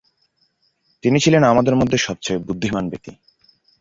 তিনি ছিলেন আমাদের মধ্যে সবচেয়ে বুদ্ধিমান ব্যক্তি।